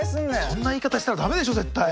そんな言い方したらダメでしょ絶対。